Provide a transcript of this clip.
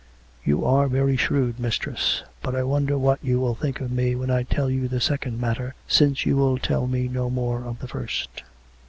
" You are very shrewd, mistress. But I wonder what you will think of me when I tell you the second matter, since you will tell me no more of the first."